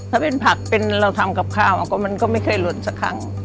ถ้าเป็นผักเป็นเราทำกับข้าวก็มันก็ไม่เคยหล่นสักครั้ง